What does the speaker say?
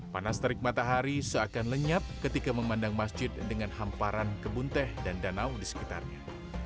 panas terik matahari seakan lenyap ketika memandang masjid dengan hamparan kebun teh dan danau di sekitarnya